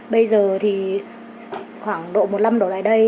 bây giờ thì khoảng độ một mươi năm độ lại đây